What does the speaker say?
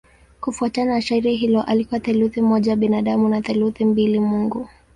Kufuatana na shairi hilo alikuwa theluthi moja binadamu na theluthi mbili mungu.